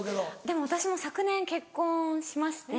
でも私も昨年結婚しまして。